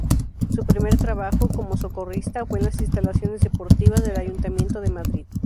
Su primer trabajo, como socorrista, fue en las instalaciones deportivas del Ayuntamiento de Madrid.